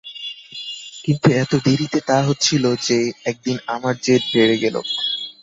কিন্তু এত দেরিতে তা হচ্ছিল যে, একদিন আমার জেদ বেড়ে গেল।